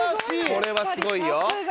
これはすごいよ。